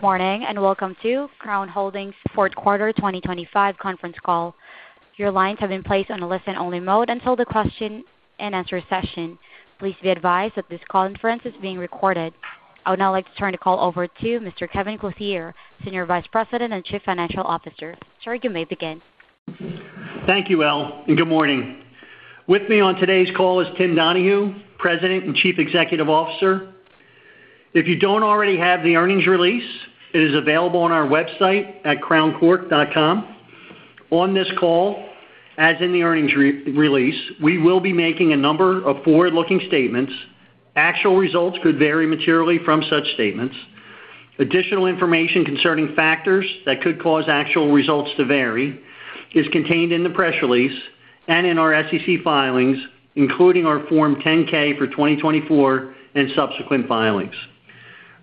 Good morning and welcome to Crown Holdings Fourth Quarter 2025 conference call. Your lines have been placed on a listen-only mode until the question-and-answer session. Please be advised that this conference is being recorded. I would now like to turn the call over to Mr. Kevin Clothier, Senior Vice President and Chief Financial Officer. Sir, you may begin. Thank you, Elle, and good morning. With me on today's call is Tim Donahue, President and Chief Executive Officer. If you don't already have the earnings release, it is available on our website at crowncork.com. On this call, as in the earnings release, we will be making a number of forward-looking statements. Actual results could vary materially from such statements. Additional information concerning factors that could cause actual results to vary is contained in the press release and in our SEC filings, including our Form 10-K for 2024 and subsequent filings.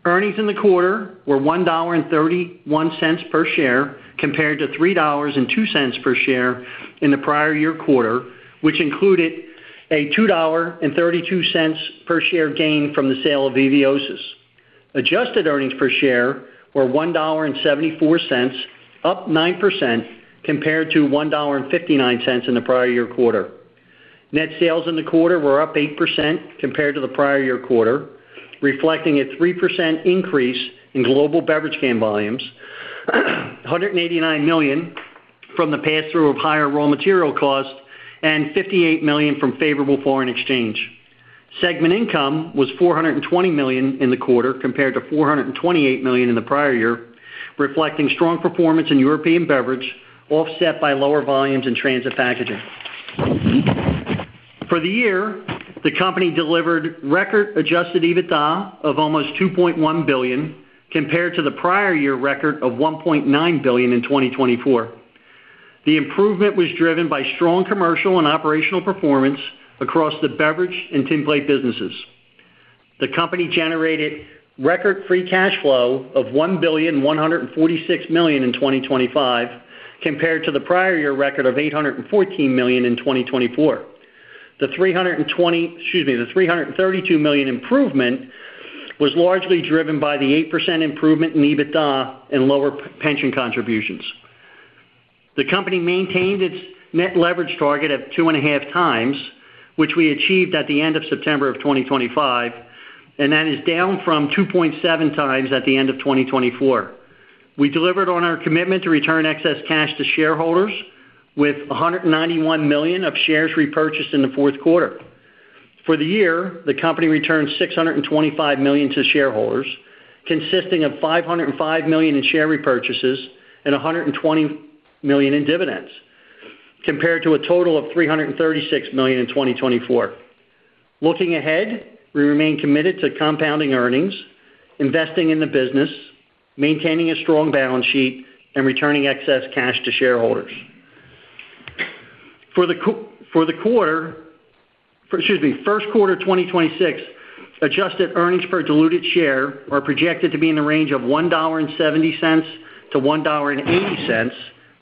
Earnings in the quarter were $1.31 per share compared to $3.02 per share in the prior year quarter, which included a $2.32 per share gain from the sale of Eviosys. Adjusted earnings per share were $1.74, up 9% compared to $1.59 in the prior year quarter. Net sales in the quarter were up 8% compared to the prior year quarter, reflecting a 3% increase in global beverage can volumes: $189 million from the pass-through of higher raw material costs and $58 million from favorable foreign exchange. Segment income was $420 million in the quarter compared to $428 million in the prior year, reflecting strong performance in European Beverage, offset by lower volumes in Transit Packaging. For the year, the company delivered record adjusted EBITDA of almost $2.1 billion compared to the prior year record of $1.9 billion in 2024. The improvement was driven by strong commercial and operational performance across the beverage and tinplate businesses. The company generated record free cash flow of $1,146 million in 2025 compared to the prior year record of $814 million in 2024. The $332 million improvement was largely driven by the 8% improvement in EBITDA and lower pension contributions. The company maintained its net leverage target of 2.5 times, which we achieved at the end of September of 2025, and that is down from 2.7 times at the end of 2024. We delivered on our commitment to return excess cash to shareholders, with $191 million of shares repurchased in the fourth quarter. For the year, the company returned $625 million to shareholders, consisting of $505 million in share repurchases and $120 million in dividends, compared to a total of $336 million in 2024. Looking ahead, we remain committed to compounding earnings, investing in the business, maintaining a strong balance sheet, and returning excess cash to shareholders. For the quarter excuse me, first quarter 2026, adjusted earnings per diluted share are projected to be in the range of $1.70-$1.80,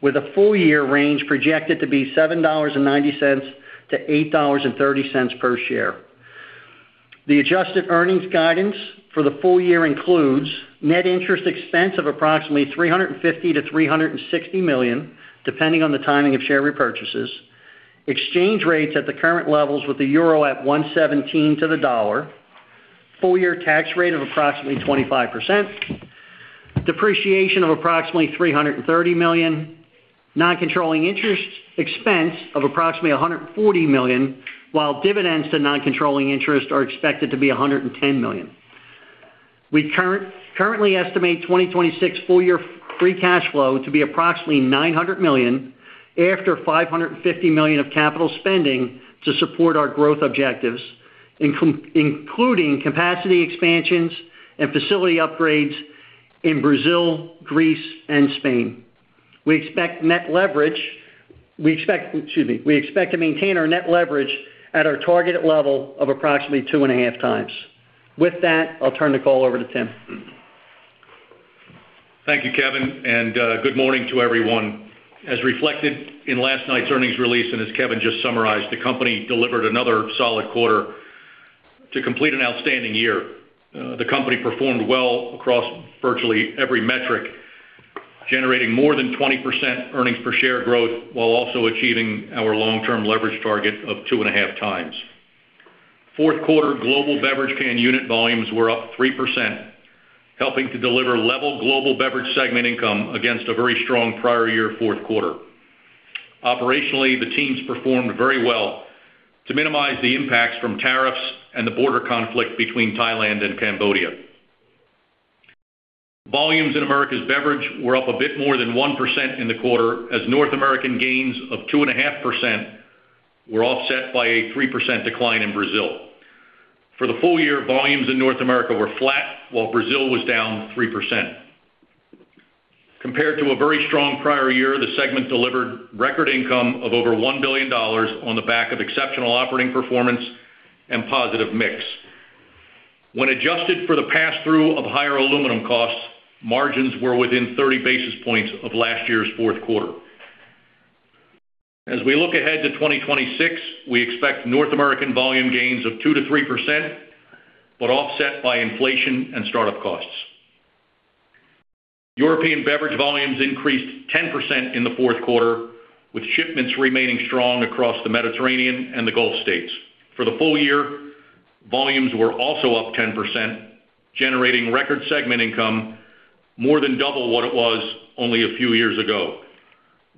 with a full-year range projected to be $7.90-$8.30 per share. The adjusted earnings guidance for the full year includes net interest expense of approximately $350 million-$360 million, depending on the timing of share repurchases, exchange rates at the current levels, with the euro at 1.17 to the dollar, full-year tax rate of approximately 25%, depreciation of approximately $330 million, non-controlling interest expense of approximately $140 million, while dividends to non-controlling interest are expected to be $110 million. We currently estimate 2026 full-year free cash flow to be approximately $900 million after $550 million of capital spending to support our growth objectives, including capacity expansions and facility upgrades in Brazil, Greece, and Spain. We expect to maintain our net leverage at our target level of approximately 2.5x. With that, I'll turn the call over to Tim. Thank you, Kevin, and good morning to everyone. As reflected in last night's earnings release and as Kevin just summarized, the company delivered another solid quarter to complete an outstanding year. The company performed well across virtually every metric, generating more than 20% earnings per share growth while also achieving our long-term leverage target of 2.5 times. Fourth quarter, global beverage can unit volumes were up 3%, helping to deliver level global beverage segment income against a very strong prior year fourth quarter. Operationally, the teams performed very well to minimize the impacts from tariffs and the border conflict between Thailand and Cambodia. Volumes in Americas Beverage were up a bit more than 1% in the quarter, as North American gains of 2.5% were offset by a 3% decline in Brazil. For the full year, volumes in North America were flat, while Brazil was down 3%. Compared to a very strong prior year, the segment delivered record income of over $1 billion on the back of exceptional operating performance and positive mix. When adjusted for the pass-through of higher aluminum costs, margins were within 30 basis points of last year's fourth quarter. As we look ahead to 2026, we expect North American volume gains of 2%-3%, but offset by inflation and startup costs. European beverage volumes increased 10% in the fourth quarter, with shipments remaining strong across the Mediterranean and the Gulf States. For the full year, volumes were also up 10%, generating record segment income, more than double what it was only a few years ago.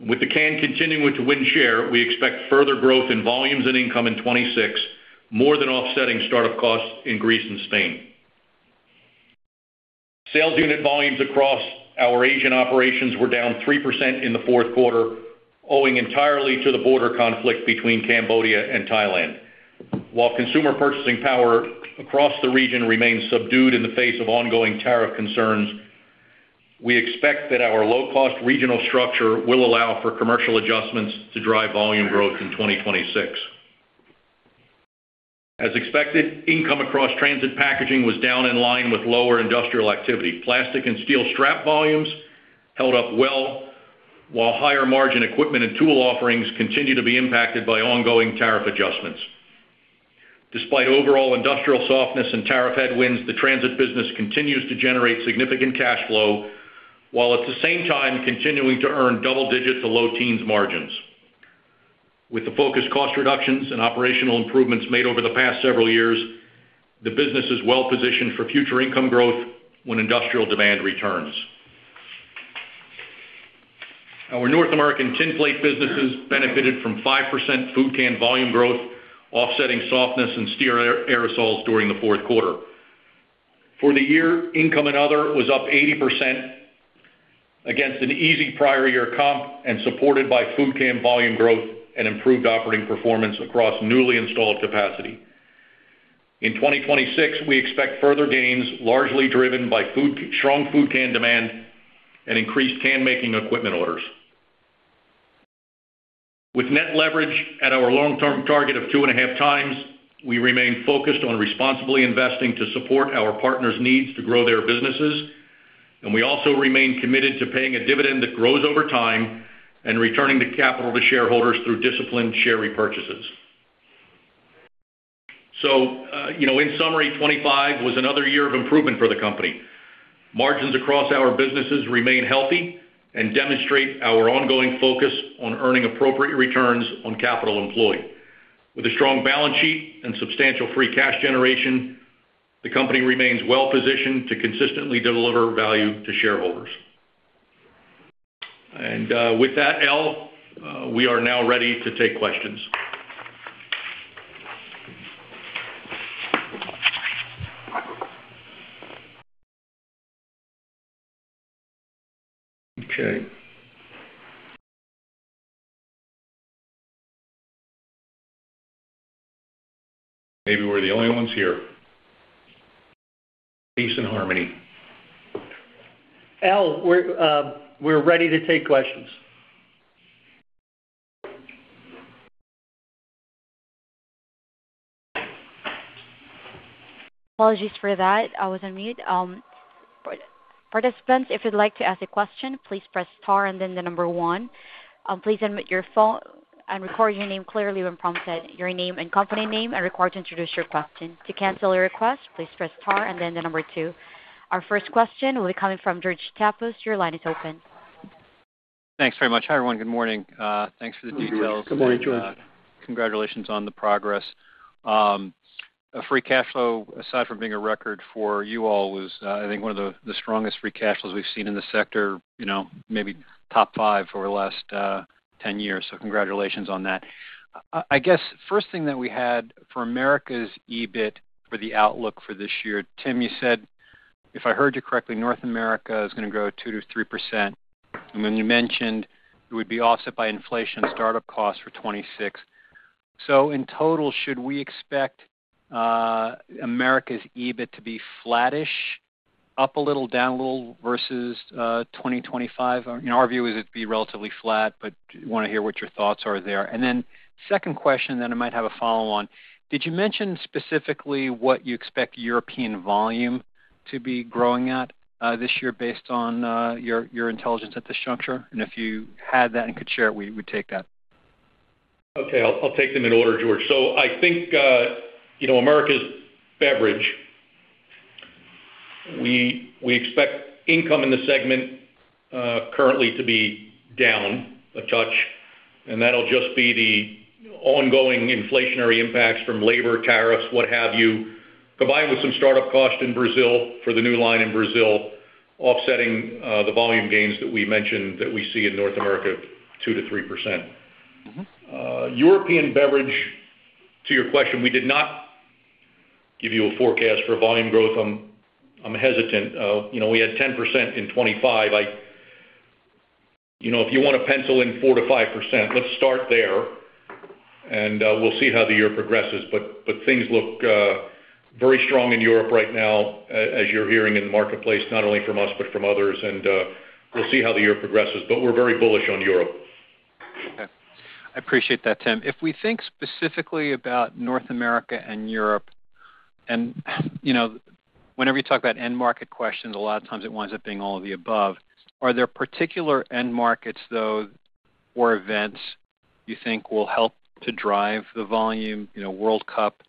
With the can continuing to win share, we expect further growth in volumes and income in 2026, more than offsetting startup costs in Greece and Spain. Sales unit volumes across our Asian operations were down 3% in the fourth quarter, owing entirely to the border conflict between Cambodia and Thailand. While consumer purchasing power across the region remains subdued in the face of ongoing tariff concerns, we expect that our low-cost regional structure will allow for commercial adjustments to drive volume growth in 2026. As expected, income across transit packaging was down in line with lower industrial activity. Plastic and steel strap volumes held up well, while higher margin equipment and tool offerings continue to be impacted by ongoing tariff adjustments. Despite overall industrial softness and tariff headwinds, the transit business continues to generate significant cash flow, while at the same time continuing to earn double-digit to low teens margins. With the focus cost reductions and operational improvements made over the past several years, the business is well-positioned for future income growth when industrial demand returns. Our North American tin plate businesses benefited from 5% food can volume growth, offsetting softness and steel aerosols during the fourth quarter. For the year, income in other was up 80% against an easy prior year comp and supported by food can volume growth and improved operating performance across newly installed capacity. In 2026, we expect further gains, largely driven by strong food can demand and increased can-making equipment orders. With net leverage at our long-term target of 2.5 times, we remain focused on responsibly investing to support our partners' needs to grow their businesses, and we also remain committed to paying a dividend that grows over time and returning the capital to shareholders through disciplined share repurchases. So, you know, in summary, 2025 was another year of improvement for the company. Margins across our businesses remain healthy and demonstrate our ongoing focus on earning appropriate returns on capital employed. With a strong balance sheet and substantial free cash generation, the company remains well-positioned to consistently deliver value to shareholders. With that, Elle, we are now ready to take questions. Okay. Maybe we're the only ones here. Peace and harmony. Elle, we're ready to take questions. Apologies for that. I was on mute. Participants, if you'd like to ask a question, please press star and then the number one. Please unmute your phone and record your name clearly when prompted. Your name and company name, and request to introduce your question. To cancel your request, please press star and then the number two. Our first question will be coming from George Staphos. Your line is open. Thanks very much. Hi, everyone. Good morning. Thanks for the details. Good morning, George. Congratulations on the progress. A free cash flow, aside from being a record for you all, was, I think one of the, the strongest free cash flows we've seen in the sector, you know, maybe top five over the last 10 years. So congratulations on that. I, I guess first thing that we had for Americas EBIT for the outlook for this year, Tim, you said, if I heard you correctly, North America is gonna grow 2%-3%. And then you mentioned it would be offset by inflation and startup costs for 2026. So in total, should we expect, Americas EBIT to be flattish, up a little, down a little versus 2025? In our view, it would be relatively flat, but wanna hear what your thoughts are there. And then, second question that I might have a follow-on: did you mention specifically what you expect European volume to be growing at this year based on your intelligence at this juncture? If you had that and could share it, we'd take that. Okay. I'll, I'll take them in order, George. So I think, you know, Americas beverage, we, we expect income in the segment, currently to be down a touch. And that'll just be the ongoing inflationary impacts from labor, tariffs, what have you, combined with some startup cost in Brazil for the new line in Brazil, offsetting, the volume gains that we mentioned that we see in North America, 2%-3%. Mm-hmm. European beverage, to your question, we did not give you a forecast for volume growth. I'm, I'm hesitant. You know, we had 10% in 2025. I, you know, if you wanna pencil in 4%-5%, let's start there. And, we'll see how the year progresses. But, but things look very strong in Europe right now, as you're hearing in the marketplace, not only from us but from others. And, we'll see how the year progresses. But we're very bullish on Europe. Okay. I appreciate that, Tim. If we think specifically about North America and Europe, and, you know, whenever you talk about end-market questions, a lot of times it winds up being all of the above. Are there particular end-markets, though, or events you think will help to drive the volume? You know, World Cup,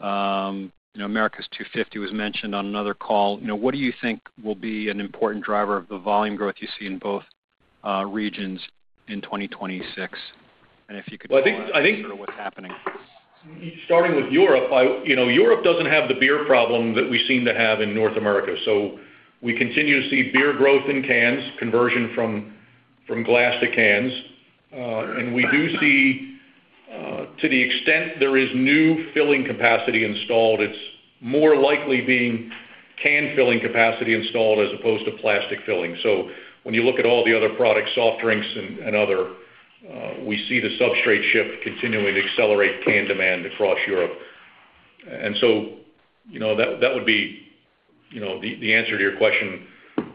you know, America's 250 was mentioned on another call. You know, what do you think will be an important driver of the volume growth you see in both regions in 2026? And if you could summarize sort of what's happening. Well, I think. Starting with Europe, you know, Europe doesn't have the beer problem that we seem to have in North America. So we continue to see beer growth in cans, conversion from glass to cans. And we do see, to the extent there is new filling capacity installed, it's more likely being can filling capacity installed as opposed to plastic filling. So when you look at all the other products, soft drinks and other, we see the substrate shift continuing to accelerate can demand across Europe. And so, you know, that would be, you know, the answer to your question,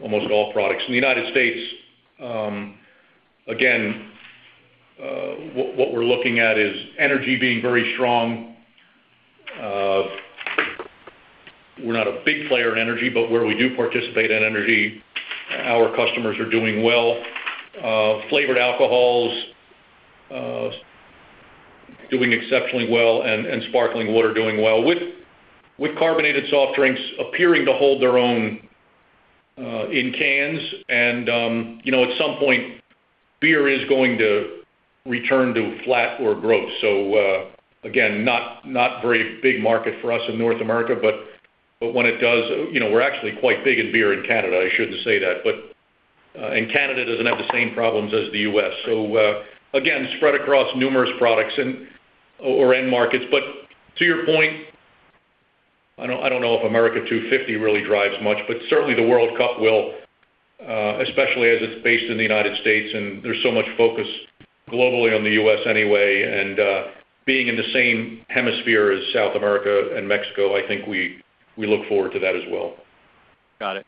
almost all products. In the United States, again, what we're looking at is energy being very strong. We're not a big player in energy, but where we do participate in energy, our customers are doing well. Flavored alcohols, doing exceptionally well, and sparkling water doing well, with carbonated soft drinks appearing to hold their own, in cans. And, you know, at some point, beer is going to return to flat or growth. So, again, not very big market for us in North America. But when it does, you know, we're actually quite big in beer in Canada. I shouldn't say that. But Canada doesn't have the same problems as the U.S. So, again, spread across numerous products and or end-markets. But to your point, I don't know if America250 really drives much. But certainly, the World Cup will, especially as it's based in the United States, and there's so much focus globally on the U.S. anyway. And, being in the same hemisphere as South America and Mexico, I think we look forward to that as well. Got it.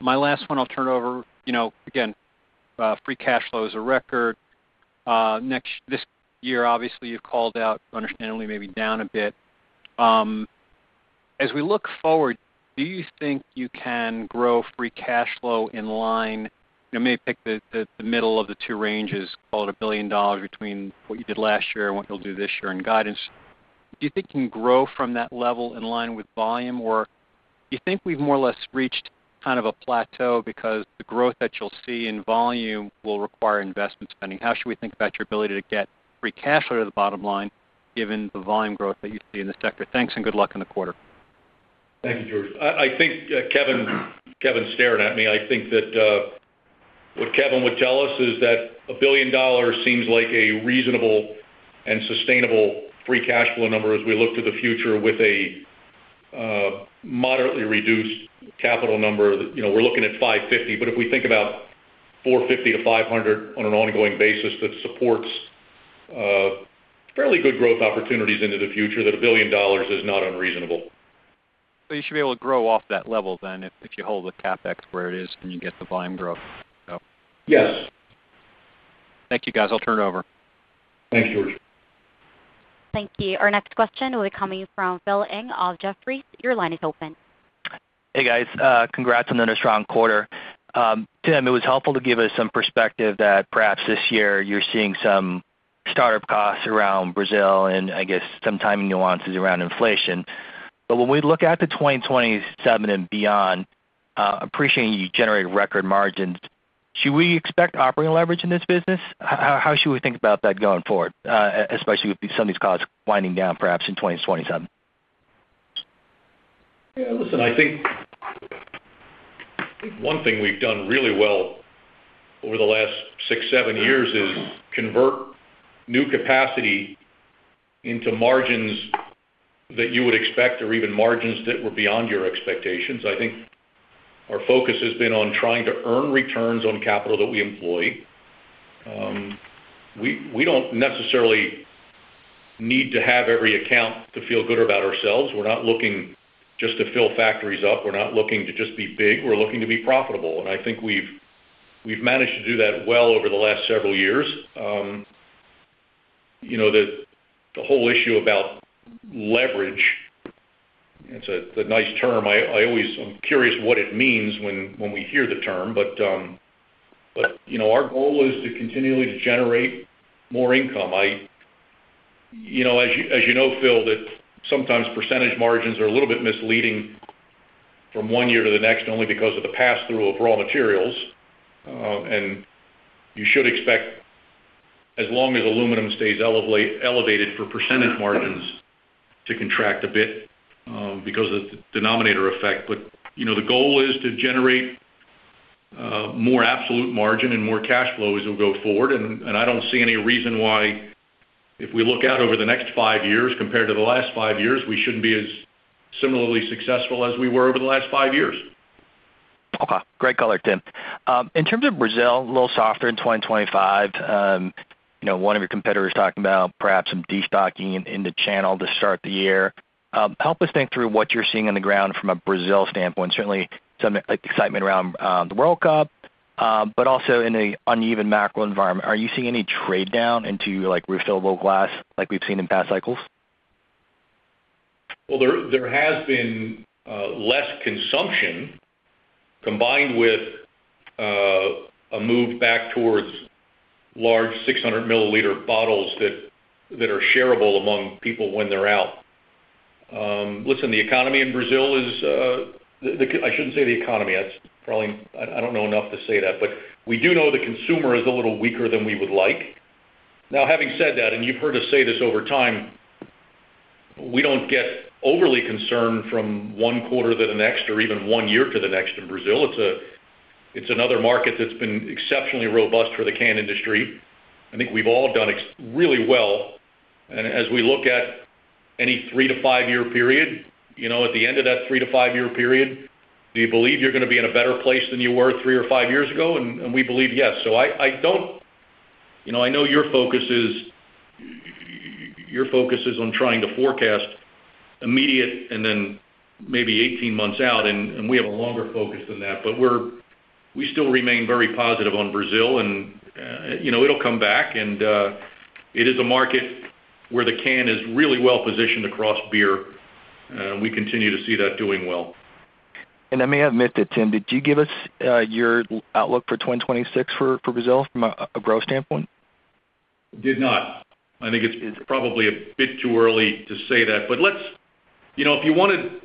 My last one, I'll turn over. You know, again, free cash flow is a record. Next this year, obviously, you've called out. Understandably, maybe down a bit. As we look forward, do you think you can grow free cash flow in line? You know, maybe pick the middle of the two ranges, call it $1 billion between what you did last year and what you'll do this year in guidance. Do you think you can grow from that level in line with volume? Or do you think we've more or less reached kind of a plateau because the growth that you'll see in volume will require investment spending? How should we think about your ability to get free cash flow to the bottom line, given the volume growth that you see in the sector? Thanks and good luck in the quarter. Thank you, George. I think, Kevin staring at me, I think that what Kevin would tell us is that $1 billion seems like a reasonable and sustainable free cash flow number as we look to the future with a moderately reduced capital number. You know, we're looking at $550 million. But if we think about $450 million-$500 million on an ongoing basis that supports fairly good growth opportunities into the future, that $1 billion is not unreasonable. You should be able to grow off that level then if, if you hold the CapEx where it is and you get the volume growth, so. Yes. Thank you, guys. I'll turn over. Thanks, George. Thank you. Our next question will be coming from Philip Ng of Jefferies. Your line is open. Hey, guys. Congrats on another strong quarter. Tim, it was helpful to give us some perspective that perhaps this year you're seeing some startup costs around Brazil and, I guess, some timing nuances around inflation. But when we look at the 2027 and beyond, appreciating you generate record margins, should we expect operating leverage in this business? How should we think about that going forward, especially with some of these costs winding down perhaps in 2027? Yeah. Listen, I think, I think one thing we've done really well over the last six, seven years is convert new capacity into margins that you would expect or even margins that were beyond your expectations. I think our focus has been on trying to earn returns on capital that we employ. We, we don't necessarily need to have every account to feel good about ourselves. We're not looking just to fill factories up. We're not looking to just be big. We're looking to be profitable. And I think we've, we've managed to do that well over the last several years. You know, the whole issue about leverage, it's a nice term. I always, I'm curious what it means when we hear the term. But you know, our goal is to continually generate more income. I, you know, as you as you know, Phil, that sometimes percentage margins are a little bit misleading from one year to the next only because of the pass-through of raw materials. And you should expect, as long as aluminum stays elevated for percentage margins, to contract a bit, because of the denominator effect. But, you know, the goal is to generate more absolute margin and more cash flow as we go forward. And, and I don't see any reason why, if we look out over the next five years compared to the last five years, we shouldn't be as similarly successful as we were over the last five years. Okay. Great color, Tim. In terms of Brazil, a little softer in 2025. You know, one of your competitors talking about perhaps some destocking in the channel to start the year. Help us think through what you're seeing on the ground from a Brazil standpoint. Certainly, some excitement around the World Cup, but also in the uneven macro environment. Are you seeing any trade-down into, like, refillable glass like we've seen in past cycles? Well, there has been less consumption combined with a move back towards large 600 ml bottles that are shareable among people when they're out. Listen, the economy in Brazil is. The, I shouldn't say the economy. That's probably. I don't know enough to say that. But we do know the consumer is a little weaker than we would like. Now, having said that, and you've heard us say this over time, we don't get overly concerned from one quarter to the next or even one year to the next in Brazil. It's. It's another market that's been exceptionally robust for the can industry. I think we've all done exceptionally well. And as we look at any 3-5-year period, you know, at the end of that 3-5-year period, do you believe you're gonna be in a better place than you were 3 or 5 years ago? We believe, yes. So I don't, you know, I know your focus is your focus is on trying to forecast immediate and then maybe 18 months out. And we have a longer focus than that. But we still remain very positive on Brazil. And, you know, it'll come back. And it is a market where the can is really well-positioned across beer. We continue to see that doing well. I may have missed it, Tim. Did you give us your outlook for 2026 for Brazil from a growth standpoint? Did not. I think it's probably a bit too early to say that. But let's, you know, if you wanted,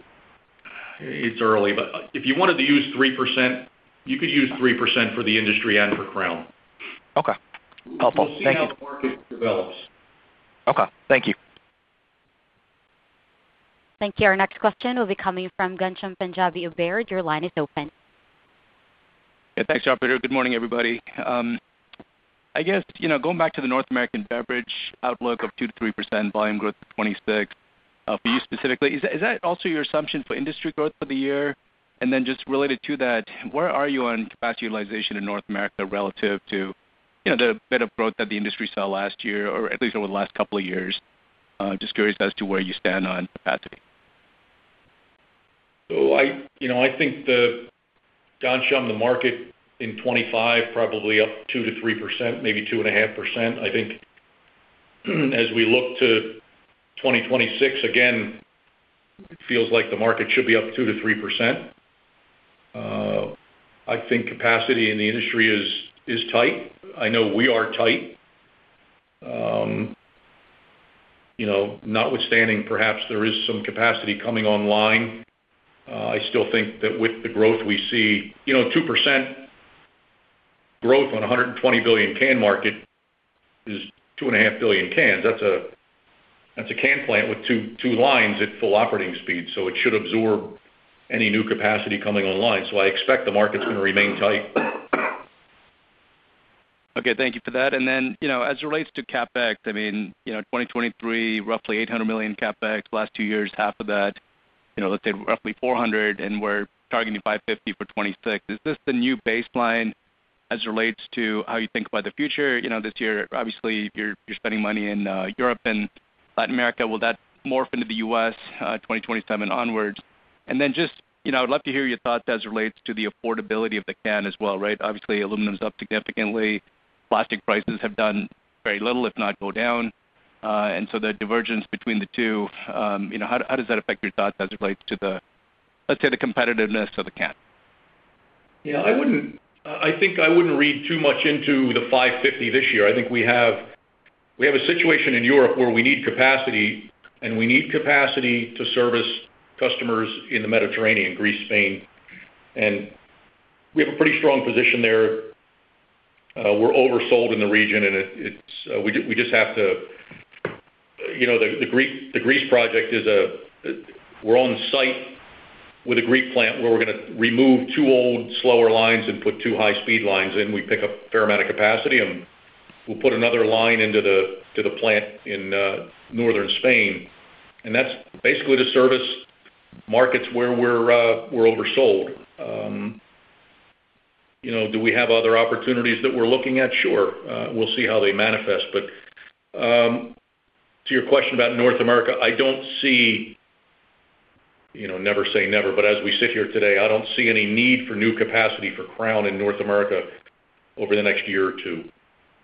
it's early, but if you wanted to use 3%, you could use 3% for the industry and for Crown. Okay. Helpful. Thank you. We'll see how the market develops. Okay. Thank you. Thank you. Our next question will be coming from Ghansham Panjabi of Baird. Your line is open. Yeah. Thanks, Javier. Good morning, everybody. I guess, you know, going back to the North American beverage outlook of 2%-3% volume growth 2026, for you specifically, is that also your assumption for industry growth for the year? And then just related to that, where are you on capacity utilization in North America relative to, you know, the bit of growth that the industry saw last year or at least over the last couple of years? Just curious as to where you stand on capacity. So I, you know, I think Ghansham, the market in 2025 probably up 2%-3%, maybe 2.5%. I think as we look to 2026, again, it feels like the market should be up 2%-3%. I think capacity in the industry is, is tight. I know we are tight. You know, notwithstanding, perhaps, there is some capacity coming online. I still think that with the growth we see, you know, 2% growth on a 120 billion-can market is 2.5 billion cans. That's a can plant with two lines at full operating speed. So it should absorb any new capacity coming online. So I expect the market's gonna remain tight. Okay. Thank you for that. And then, you know, as it relates to CapEx, I mean, you know, 2023, roughly $800 million CapEx. Last two years, half of that, you know, let's say roughly $400 million. And we're targeting $550 million for 2026. Is this the new baseline as it relates to how you think about the future? You know, this year, obviously, you're, you're spending money in Europe and Latin America. Will that morph into the U.S., 2027 onwards? And then just, you know, I would love to hear your thoughts as it relates to the affordability of the can as well, right? Obviously, aluminum's up significantly. Plastic prices have done very little, if not go down. And so the divergence between the two, you know, how, how does that affect your thoughts as it relates to the, let's say, the competitiveness of the can? Yeah. I wouldn't, I think, read too much into the $550 this year. I think we have a situation in Europe where we need capacity. We need capacity to service customers in the Mediterranean, Greece, Spain. We have a pretty strong position there. We're oversold in the region. It's, we just have to, you know, the Greek, the Greece project is, we're on site with a Greek plant where we're gonna remove two old, slower lines and put two high-speed lines in. We pick up a fair amount of capacity. We'll put another line into the plant in northern Spain. That's basically to service markets where we're oversold, you know. Do we have other opportunities that we're looking at? Sure. We'll see how they manifest. But to your question about North America, I don't see you know, never say never. But as we sit here today, I don't see any need for new capacity for Crown in North America over the next year or two.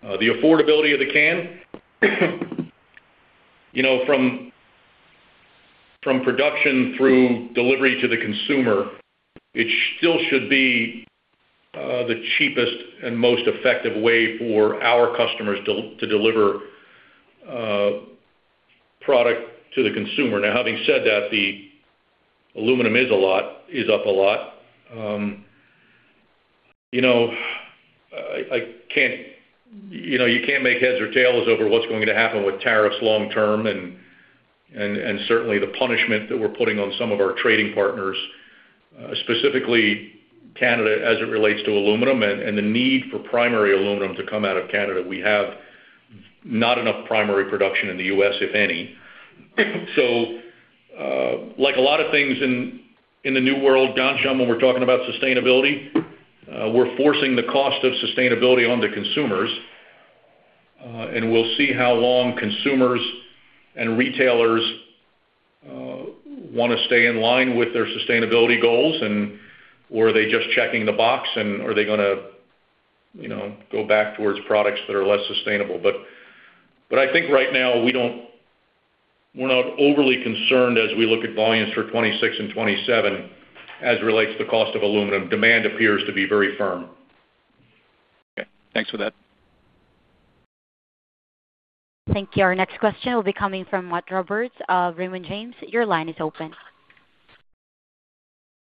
The affordability of the can, you know, from production through delivery to the consumer, it still should be the cheapest and most effective way for our customers to deliver product to the consumer. Now, having said that, the aluminum is up a lot. You know, I can't you know, you can't make heads or tails over what's going to happen with tariffs long-term and certainly the punishment that we're putting on some of our trading partners, specifically Canada as it relates to aluminum and the need for primary aluminum to come out of Canada. We have not enough primary production in the U.S., if any. So, like a lot of things in, in the new world, Ghansham, when we're talking about sustainability, we're forcing the cost of sustainability onto consumers. And we'll see how long consumers and retailers wanna stay in line with their sustainability goals. And or are they just checking the box? And are they gonna, you know, go back towards products that are less sustainable? But, but I think right now, we don't we're not overly concerned as we look at volumes for 2026 and 2027 as it relates to the cost of aluminum. Demand appears to be very firm. Okay. Thanks for that. Thank you. Our next question will be coming from Matt Roberts, Raymond James. Your line is open.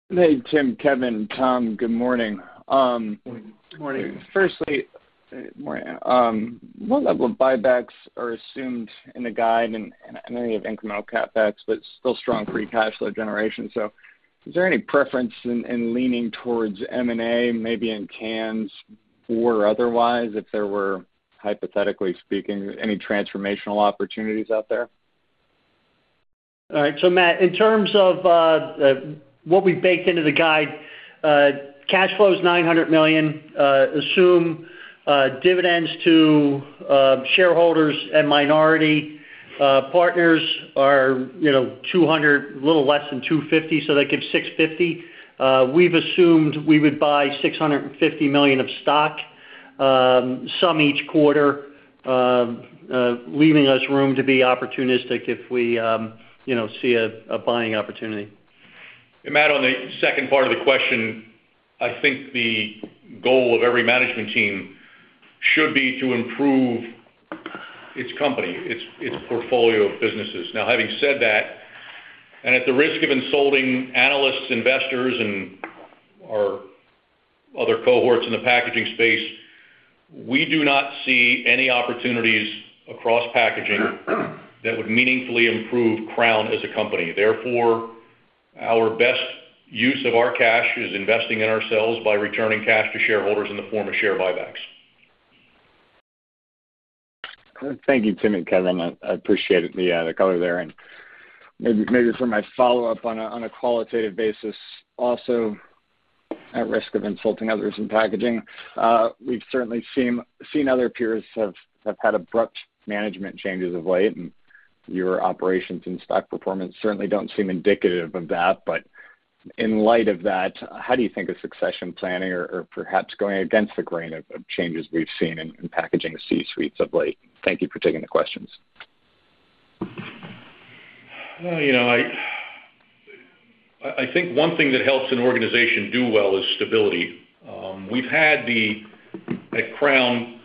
Hey, Tim, Kevin, Tom. Good morning. Morning. Morning. Firstly, what level of buybacks are assumed in the guide? And I know you have incremental CapEx but still strong free cash flow generation. So is there any preference in leaning towards M&A, maybe in cans or otherwise if there were, hypothetically speaking, any transformational opportunities out there? All right. So, Matt, in terms of what we baked into the guide, cash flow's $900 million. Assume dividends to shareholders and minority partners are, you know, $200 million, a little less than $250 million. So they give $650 million. We've assumed we would buy $650 million of stock, some each quarter, leaving us room to be opportunistic if we, you know, see a buying opportunity. Matt, on the second part of the question, I think the goal of every management team should be to improve its company, its, its portfolio of businesses. Now, having said that, and at the risk of insulting analysts, investors, and our other cohorts in the packaging space, we do not see any opportunities across packaging that would meaningfully improve Crown as a company. Therefore, our best use of our cash is investing in ourselves by returning cash to shareholders in the form of share buybacks. Thank you, Tim and Kevin. I appreciate the color there. Maybe for my follow-up on a qualitative basis, also at risk of insulting others in packaging, we've certainly seen other peers have had abrupt management changes of late. Your operations and stock performance certainly don't seem indicative of that. But in light of that, how do you think of succession planning or perhaps going against the grain of changes we've seen in packaging C-suites of late? Thank you for taking the questions. You know, I think one thing that helps an organization do well is stability. We've had, at Crown,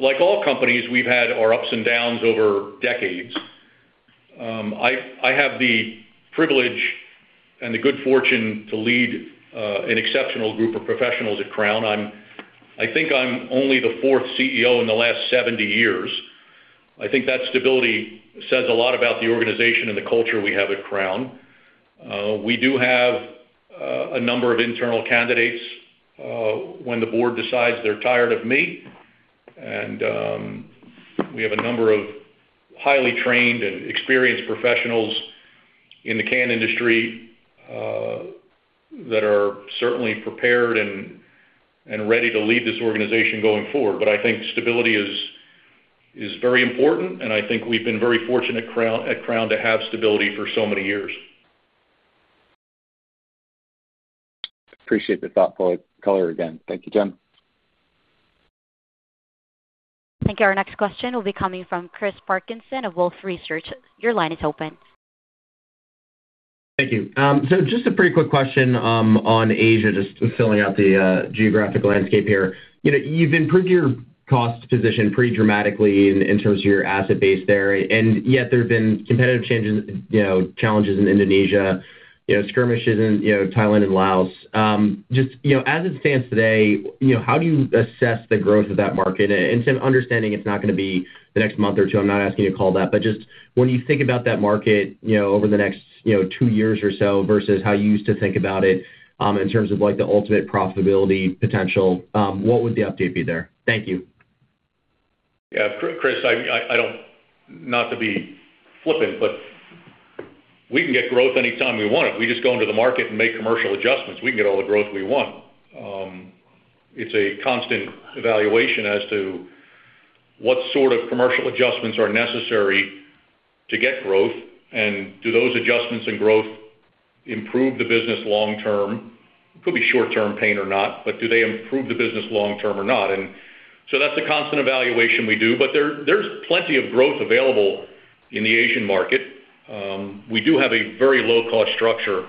like all companies, our ups and downs over decades. I have the privilege and the good fortune to lead an exceptional group of professionals at Crown. I think I'm only the fourth CEO in the last 70 years. I think that stability says a lot about the organization and the culture we have at Crown. We do have a number of internal candidates when the board decides they're tired of me. And we have a number of highly trained and experienced professionals in the can industry that are certainly prepared and ready to lead this organization going forward. But I think stability is very important. And I think we've been very fortunate at Crown to have stability for so many years. Appreciate the thoughtful color again. Thank you, Tim. Thank you. Our next question will be coming from Chris Parkinson of Wolfe Research. Your line is open. Thank you. So just a pretty quick question, on Asia, just filling out the geographic landscape here. You know, you've improved your cost position pretty dramatically in terms of your asset base there. And yet, there have been competitive changes, you know, challenges in Indonesia, you know, skirmishes in Thailand and Laos. Just, you know, as it stands today, you know, how do you assess the growth of that market? And, Tim, understanding it's not gonna be the next month or two, I'm not asking you to call that. But just when you think about that market, you know, over the next two years or so versus how you used to think about it, in terms of, like, the ultimate profitability potential, what would the update be there? Thank you. Yeah. Chris, I don't want to be flippant, but we can get growth anytime we want it. We just go into the market and make commercial adjustments. We can get all the growth we want. It's a constant evaluation as to what sort of commercial adjustments are necessary to get growth. And do those adjustments in growth improve the business long-term? It could be short-term pain or not. But do they improve the business long-term or not? And so that's a constant evaluation we do. But there's plenty of growth available in the Asian market. We do have a very low-cost structure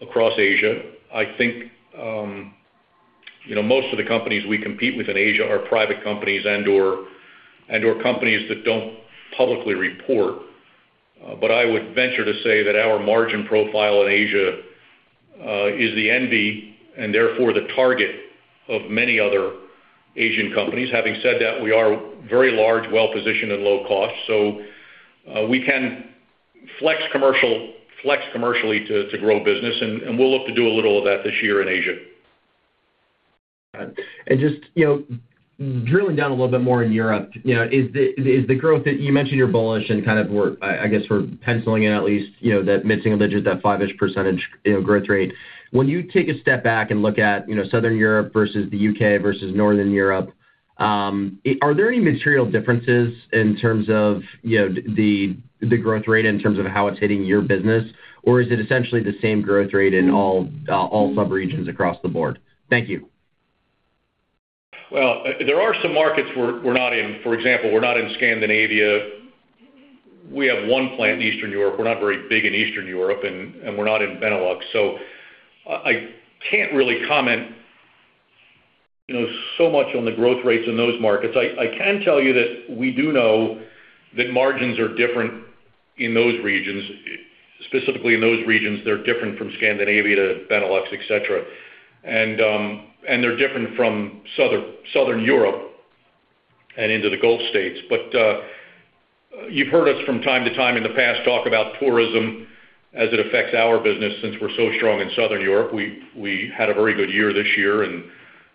across Asia. I think, you know, most of the companies we compete with in Asia are private companies and/or companies that don't publicly report. But I would venture to say that our margin profile in Asia is the envy and therefore the target of many other Asian companies. Having said that, we are very large, well-positioned, and low-cost. So, we can flex commercial flex commercially to, to grow business. And, and we'll look to do a little of that this year in Asia. Got it. Just, you know, drilling down a little bit more in Europe, you know, is the growth that you mentioned you're bullish and kind of, I guess, were penciling in at least, you know, that mid-single-digit, 5-ish % growth rate. When you take a step back and look at, you know, southern Europe versus the U.K. versus northern Europe, are there any material differences in terms of, you know, the growth rate in terms of how it's hitting your business? Or is it essentially the same growth rate in all subregions across the board? Thank you. Well, there are some markets we're not in. For example, we're not in Scandinavia. We have one plant in eastern Europe. We're not very big in eastern Europe. And we're not in Benelux. So I can't really comment, you know, so much on the growth rates in those markets. I can tell you that we do know that margins are different in those regions. Specifically, in those regions, they're different from Scandinavia to Benelux, etc. And they're different from southern Europe and into the Gulf States. But you've heard us from time to time in the past talk about tourism as it affects our business since we're so strong in southern Europe. We had a very good year this year. And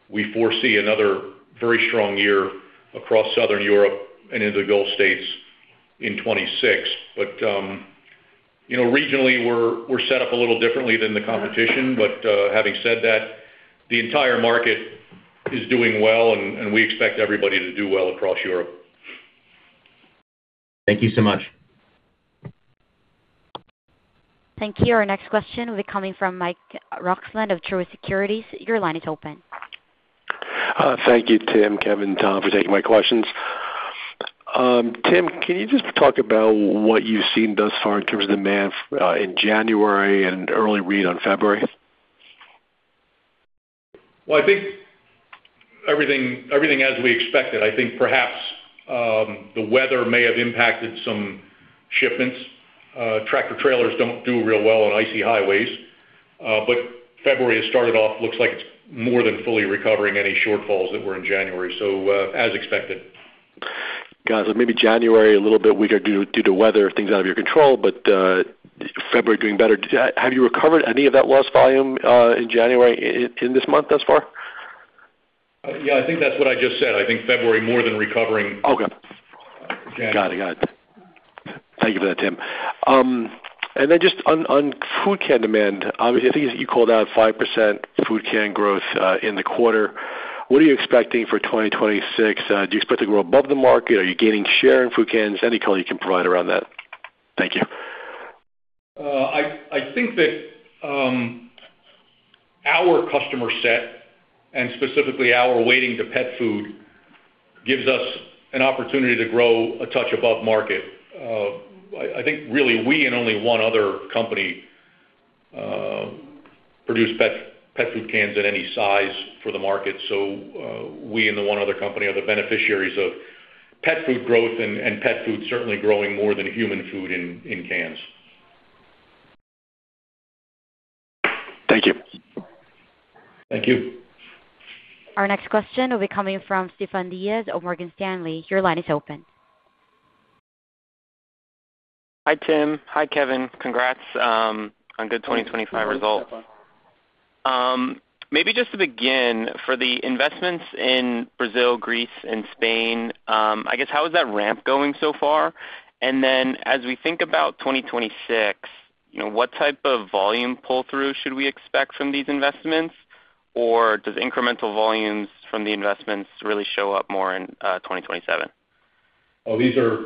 we foresee another very strong year across southern Europe and into the Gulf States in 2026. But, you know, regionally, we're set up a little differently than the competition. But, having said that, the entire market is doing well. And we expect everybody to do well across Europe. Thank you so much. Thank you. Our next question will be coming from Mike Roxland of Truist Securities. Your line is open. Thank you, Tim, Kevin, Tom, for taking my questions. Tim, can you just talk about what you've seen thus far in terms of demand, in January and early read on February? Well, I think everything, everything as we expected. I think perhaps, the weather may have impacted some shipments. Tractor-trailers don't do real well on icy highways. But February has started off, looks like it's more than fully recovering any shortfalls that were in January. So, as expected. Got it. So maybe January a little bit weaker due to weather, things out of your control. But February doing better. Did you recover any of that lost volume in January in this month thus far? Yeah. I think that's what I just said. I think February more than recovering. Okay. January. Got it. Got it. Thank you for that, Tim. And then just on, on food can demand, obviously, I think you called out 5% food can growth, in the quarter. What are you expecting for 2026? Do you expect to grow above the market? Are you gaining share in food cans? Any color you can provide around that. Thank you. I think that our customer set and specifically our wet pet food gives us an opportunity to grow a touch above market. I think really, we and only one other company produce pet food cans in any size for the market. So, we and the one other company are the beneficiaries of pet food growth and pet food certainly growing more than human food in cans. Thank you. Thank you. Our next question will be coming from Stefan Diaz of Morgan Stanley. Your line is open. Hi, Tim. Hi, Kevin. Congrats on good 2025 results. Maybe just to begin, for the investments in Brazil, Greece, and Spain, I guess, how is that ramp going so far? And then as we think about 2026, you know, what type of volume pull-through should we expect from these investments? Or does incremental volumes from the investments really show up more in 2027? Oh, these are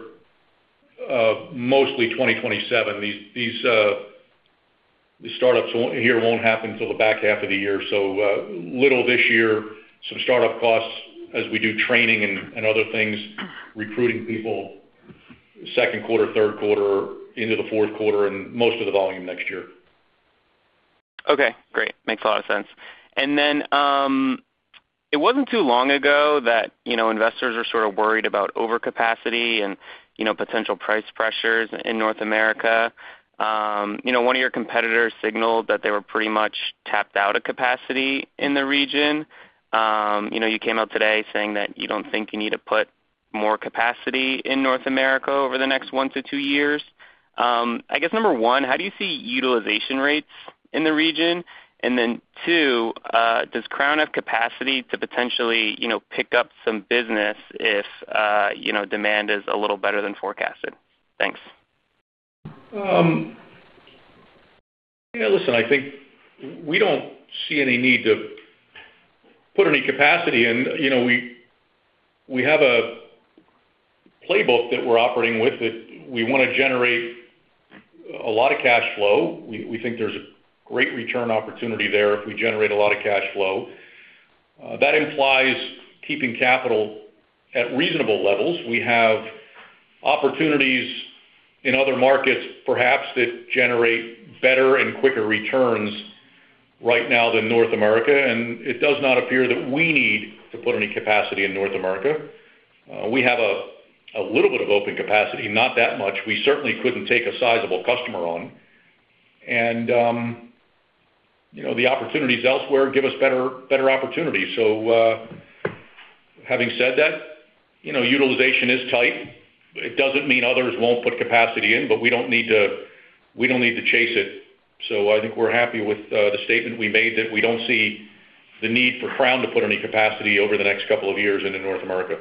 mostly 2027. These, the startups won't happen till the back half of the year. So, little this year, some startup costs as we do training and other things, recruiting people second quarter, third quarter, into the fourth quarter, and most of the volume next year. Okay. Great. Makes a lot of sense. And then, it wasn't too long ago that, you know, investors were sort of worried about overcapacity and, you know, potential price pressures in North America. You know, one of your competitors signaled that they were pretty much tapped out of capacity in the region. You know, you came out today saying that you don't think you need to put more capacity in North America over the next 1-2 years. I guess, number one, how do you see utilization rates in the region? And then two, does Crown have capacity to potentially, you know, pick up some business if, you know, demand is a little better than forecasted? Thanks. Yeah. Listen, I think we don't see any need to put any capacity. And, you know, we have a playbook that we're operating with that we wanna generate a lot of cash flow. We think there's a great return opportunity there if we generate a lot of cash flow. That implies keeping capital at reasonable levels. We have opportunities in other markets perhaps that generate better and quicker returns right now than North America. And it does not appear that we need to put any capacity in North America. We have a little bit of open capacity, not that much. We certainly couldn't take a sizable customer on. And, you know, the opportunities elsewhere give us better opportunities. So, having said that, you know, utilization is tight. It doesn't mean others won't put capacity in. But we don't need to. We don't need to chase it. I think we're happy with the statement we made that we don't see the need for Crown to put any capacity over the next couple of years into North America.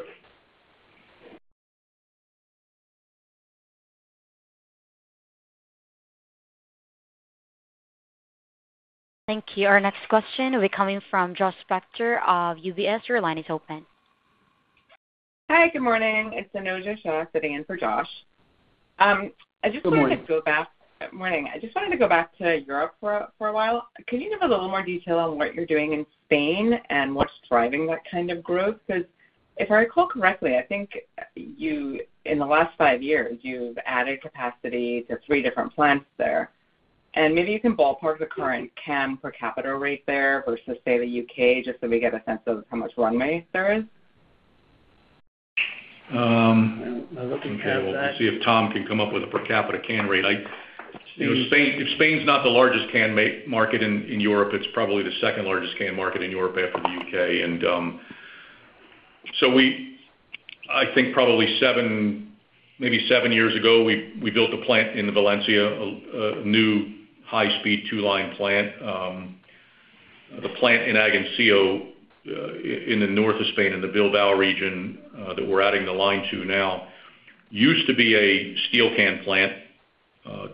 Thank you. Our next question will be coming from Josh Spector of UBS. Your line is open. Hi. Good morning. It's Anojja Shah sitting in for Josh. I just wanted to. Good morning. Good morning. I just wanted to go back to Europe for a while. Can you give us a little more detail on what you're doing in Spain and what's driving that kind of growth? 'Cause if I recall correctly, I think you in the last five years, you've added capacity to three different plants there. And maybe you can ballpark the current can-per-capita rate there versus, say, the U.K. just so we get a sense of how much runway there is. I'm looking at that. We'll see if Tom can come up with a per-capita can rate. You know, Spain if Spain's not the largest can-made market in, in Europe, it's probably the second-largest can market in Europe after the U.K. So we, I think probably seven maybe seven years ago, we, we built a plant in Valencia, a, a new high-speed two-line plant. The plant in Agoncillo, in the north of Spain in the Bilbao region, that we're adding the line to now used to be a steel can plant,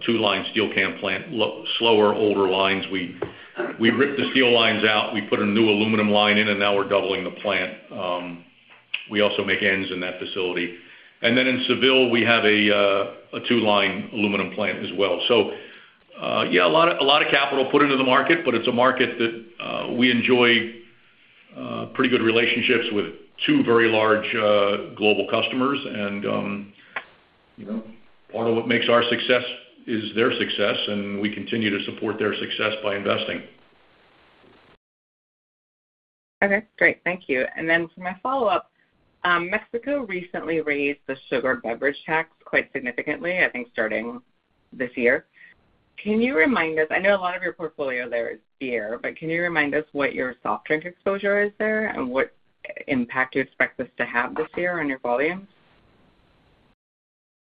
two-line steel can plant, lower, slower, older lines. We, we ripped the steel lines out. We put a new aluminum line in. And now, we're doubling the plant. We also make ends in that facility. And then in Seville, we have a, a two-line aluminum plant as well. So, yeah, a lot of a lot of capital put into the market. It's a market that we enjoy pretty good relationships with two very large, global customers. You know, part of what makes our success is their success. We continue to support their success by investing. Okay. Great. Thank you. And then for my follow-up, Mexico recently raised the sugar beverage tax quite significantly, I think, starting this year. Can you remind us? I know a lot of your portfolio there is beer. But can you remind us what your soft drink exposure is there and what impact you expect this to have this year on your volumes?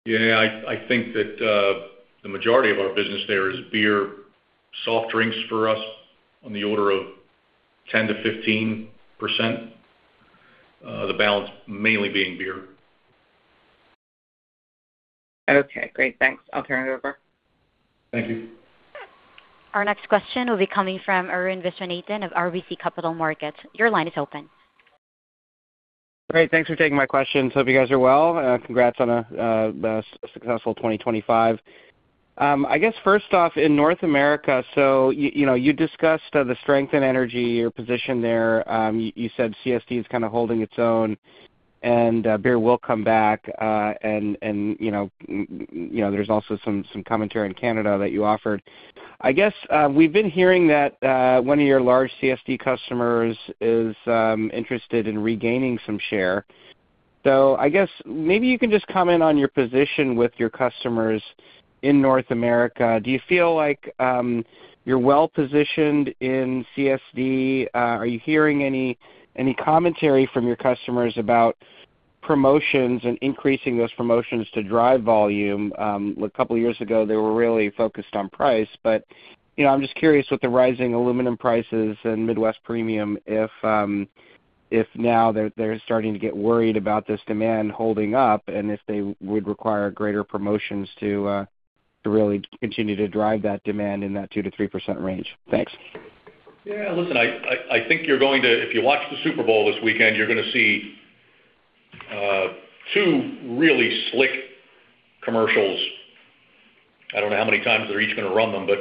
Yeah. I think that the majority of our business there is beer, soft drinks for us on the order of 10%-15%, the balance mainly being beer. Okay. Great. Thanks. I'll turn it over. Thank you. Our next question will be coming from Arun Viswanathan of RBC Capital Markets. Your line is open. Great. Thanks for taking my questions. Hope you guys are well. Congrats on a successful 2025. I guess first off, in North America, you know, you discussed the strength in energy, your position there. You said CSD is kinda holding its own. Beer will come back, and you know, there's also some commentary in Canada that you offered. I guess we've been hearing that one of your large CSD customers is interested in regaining some share. So I guess maybe you can just comment on your position with your customers in North America. Do you feel like you're well-positioned in CSD? Are you hearing any commentary from your customers about promotions and increasing those promotions to drive volume? A couple of years ago, they were really focused on price. You know, I'm just curious with the rising aluminum prices and Midwest Premium if now they're starting to get worried about this demand holding up and if they would require greater promotions to really continue to drive that demand in that 2%-3% range. Thanks. Yeah. Listen, I think you're going to if you watch the Super Bowl this weekend, you're gonna see two really slick commercials. I don't know how many times they're each gonna run them. But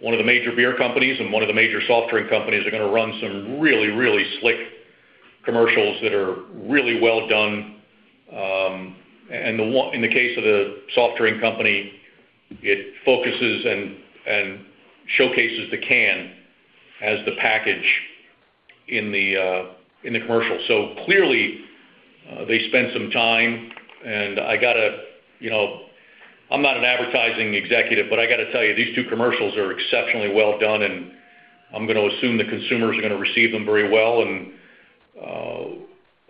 one of the major beer companies and one of the major soft drink companies are gonna run some really, really slick commercials that are really well done. And the one in the case of the soft drink company, it focuses and showcases the can as the package in the commercial. So clearly, they spent some time. And I gotta, you know, I'm not an advertising executive. But I gotta tell you, these two commercials are exceptionally well done. And I'm gonna assume the consumers are gonna receive them very well. And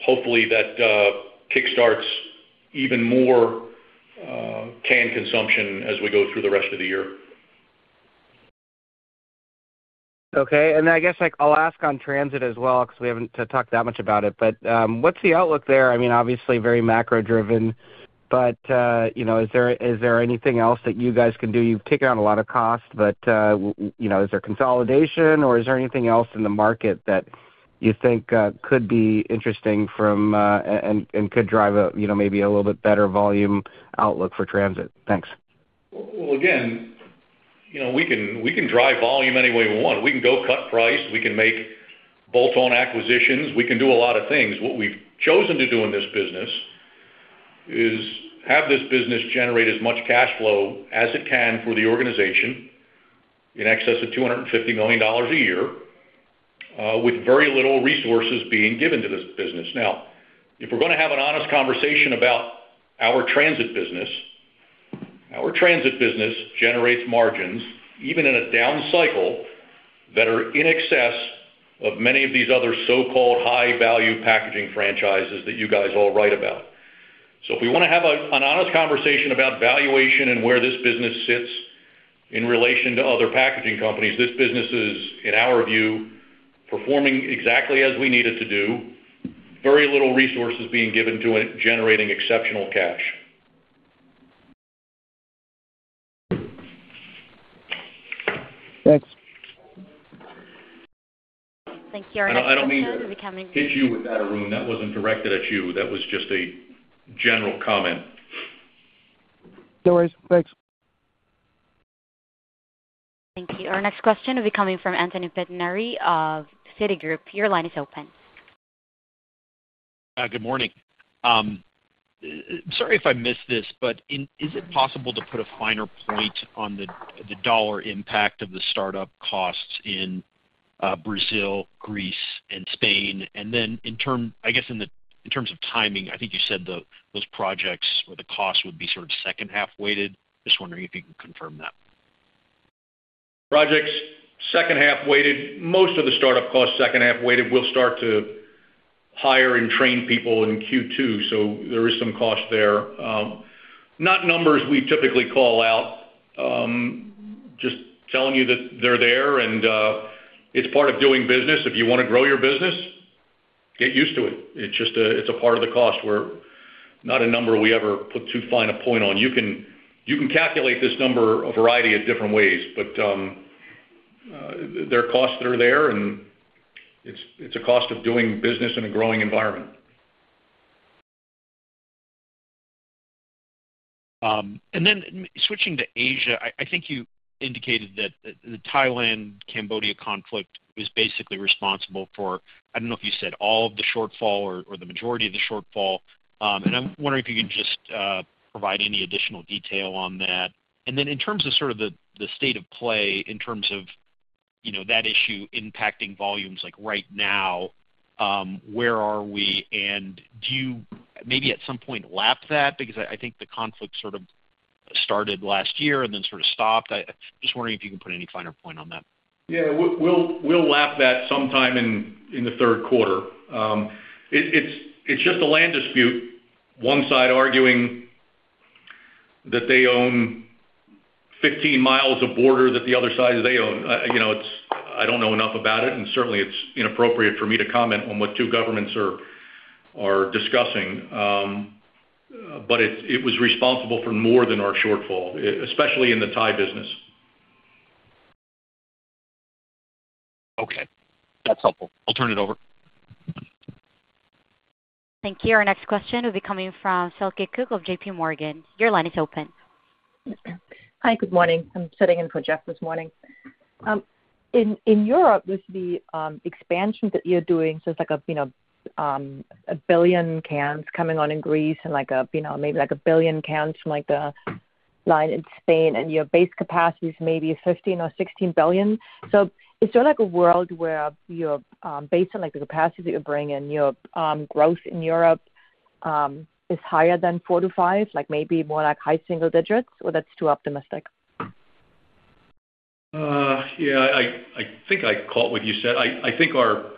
hopefully, that kickstarts even more can consumption as we go through the rest of the year. Okay. And then I guess, like, I'll ask on transit as well 'cause we haven't talked that much about it. But, what's the outlook there? I mean, obviously, very macro-driven. But, you know, is there anything else that you guys can do? You've taken out a lot of cost. But, you know, is there consolidation? Or is there anything else in the market that you think could be interesting from, and could drive a, you know, maybe a little bit better volume outlook for transit? Thanks. Well, again, you know, we can drive volume any way we want. We can go cut price. We can make bolt-on acquisitions. We can do a lot of things. What we've chosen to do in this business is have this business generate as much cash flow as it can for the organization in excess of $250 million a year, with very little resources being given to this business. Now, if we're gonna have an honest conversation about our transit business, our transit business generates margins even in a down cycle that are in excess of many of these other so-called high-value packaging franchises that you guys all write about. So if we wanna have an honest conversation about valuation and where this business sits in relation to other packaging companies, this business is, in our view, performing exactly as we need it to do, very little resources being given to it generating exceptional cash. Thanks. Thank you. Our next question will be coming. I don't mean to hit you with that, Arun. That wasn't directed at you. That was just a general comment. No worries. Thanks. Thank you. Our next question will be coming from Anthony Pettinari of Citi. Your line is open. Good morning. It's sorry if I missed this. But is it possible to put a finer point on the dollar impact of the startup costs in Brazil, Greece, and Spain? And then in terms, I guess, in terms of timing, I think you said those projects or the costs would be sort of second-half weighted. Just wondering if you can confirm that. Projects second-half weighted. Most of the startup costs second-half weighted. We'll start to hire and train people in Q2. So there is some cost there, not numbers we typically call out, just telling you that they're there. It's part of doing business. If you wanna grow your business, get used to it. It's just a part of the cost. We're not a number we ever put too fine a point on. You can calculate this number a variety of different ways. There are costs that are there. It's a cost of doing business in a growing environment. And then I'm switching to Asia. I, I think you indicated that, that, that Thailand-Cambodia conflict was basically responsible for—I don't know if you said all of the shortfall or, or the majority of the shortfall. And I'm wondering if you can just provide any additional detail on that. And then in terms of sort of the state of play in terms of, you know, that issue impacting volumes, like right now, where are we? And do you maybe at some point lap that? Because I, I think the conflict sort of started last year and then sort of stopped. I, I'm just wondering if you can put any finer point on that. Yeah. We'll lap that sometime in the third quarter. It's just a land dispute, one side arguing that they own 15 miles of border that the other side says they own. You know, I don't know enough about it. And certainly, it's inappropriate for me to comment on what two governments are discussing. But it was responsible for more than our shortfall, especially in the Thai business. Okay. That's helpful. I'll turn it over. Thank you. Our next question will be coming from Silke Kueck of J.P. Morgan. Your line is open. Hi. Good morning. I'm sitting in for Jeff this morning. In Europe, with the expansion that you're doing, so it's like a, you know, 1 billion cans coming on in Greece and, like, a, you know, maybe, like, 1 billion cans from, like, the line in Spain. And your base capacity is maybe 15 or 16 billion. So is there, like, a world where you're, based on, like, the capacity that you're bringing, your growth in Europe, is higher than 4-5, like, maybe more like high single digits? Or that's too optimistic? Yeah. I think I caught what you said. I think our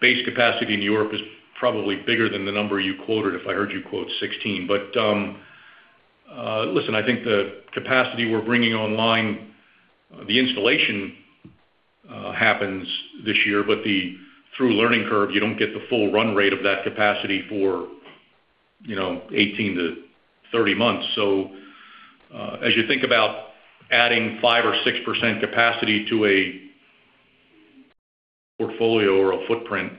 base capacity in Europe is probably bigger than the number you quoted if I heard you quote 16. But, listen, I think the capacity we're bringing online the installation, happens this year. But the through learning curve, you don't get the full run rate of that capacity for, you know, 18-30 months. So, as you think about adding 5%-6% capacity to a portfolio or a footprint,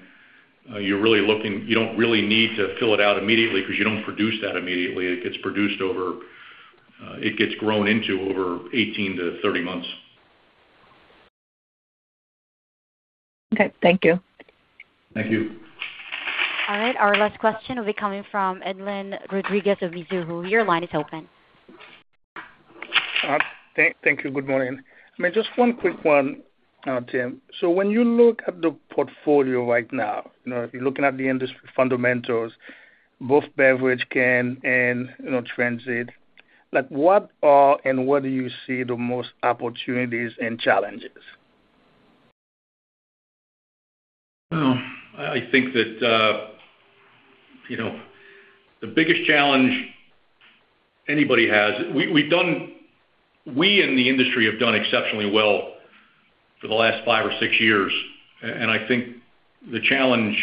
you're really looking you don't really need to fill it out immediately 'cause you don't produce that immediately. It gets produced over, it gets grown into over 18-30 months. Okay. Thank you. Thank you. All right. Our last question will be coming from Edlain Rodriguez of Mizuho Securities. Your line is open. Thank you. Good morning. I mean, just one quick one, Tim. So when you look at the portfolio right now, you know, if you're looking at the industry fundamentals, both beverage can, and, you know, transit, like, what are and where do you see the most opportunities and challenges? Well, I, I think that, you know, the biggest challenge anybody has, we've done exceptionally well in the industry for the last five or six years. And I think the challenge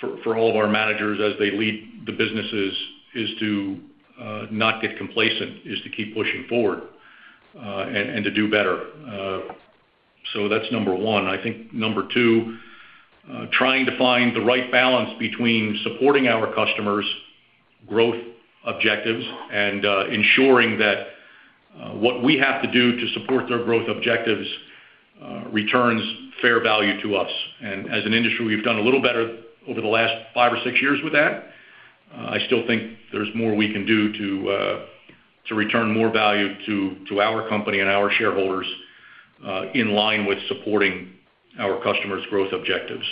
for all of our managers as they lead the businesses is to not get complacent, is to keep pushing forward, and to do better. So that's number one. I think number two, trying to find the right balance between supporting our customers' growth objectives and ensuring that what we have to do to support their growth objectives returns fair value to us. And as an industry, we've done a little better over the last five or six years with that. I still think there's more we can do to return more value to our company and our shareholders, in line with supporting our customers' growth objectives.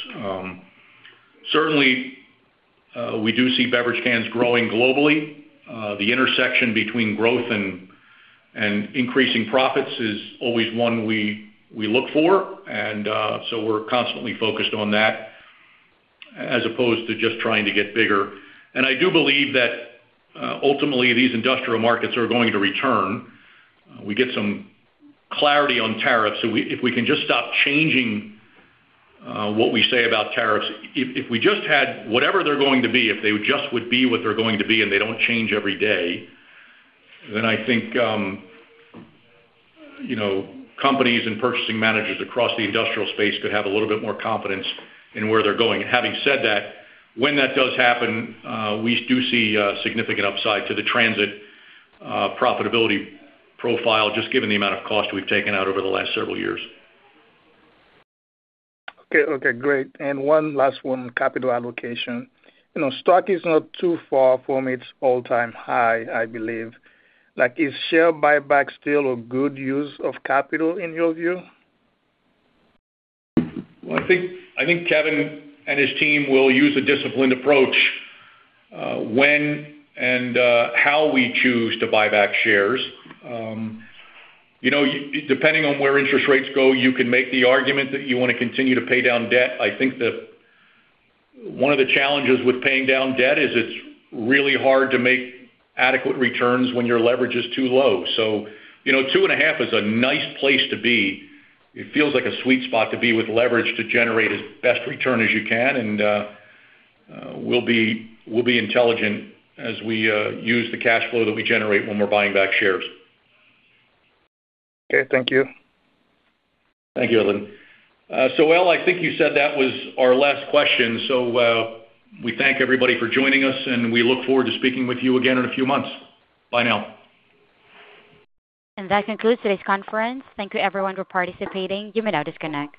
Certainly, we do see beverage cans growing globally. The intersection between growth and increasing profits is always one we look for. So we're constantly focused on that as opposed to just trying to get bigger. I do believe that, ultimately, these industrial markets are going to return. We get some clarity on tariffs. So if we can just stop changing what we say about tariffs if we just had whatever they're going to be, if they just would be what they're going to be, and they don't change every day, then I think, you know, companies and purchasing managers across the industrial space could have a little bit more confidence in where they're going. Having said that, when that does happen, we do see significant upside to the transit profitability profile just given the amount of cost we've taken out over the last several years. Okay. Okay. Great. And one last one, capital allocation. You know, stock is not too far from its all-time high, I believe. Like, is share buyback still a good use of capital, in your view? Well, I think Kevin and his team will use a disciplined approach when and how we choose to buy back shares. You know, depending on where interest rates go, you can make the argument that you wanna continue to pay down debt. I think one of the challenges with paying down debt is it's really hard to make adequate returns when your leverage is too low. So, you know, 2.5 is a nice place to be. It feels like a sweet spot to be with leverage to generate as best return as you can. And, we'll be intelligent as we use the cash flow that we generate when we're buying back shares. Okay. Thank you. Thank you, Edlain. So, Elle, I think you said that was our last question. So, we thank everybody for joining us. We look forward to speaking with you again in a few months. Bye now. That concludes today's conference. Thank you, everyone, for participating. Give me another second.